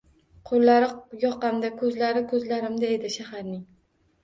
Qo’llari yoqamda ko’zlari ko’zlarimda edi shaharning.